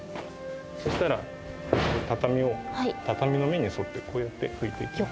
そしたら畳の目に沿ってこうやって拭いていきます。